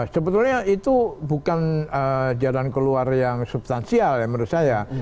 sebetulnya itu bukan jalan keluar yang substansial ya menurut saya